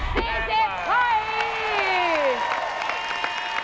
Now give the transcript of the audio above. ๔๐บาท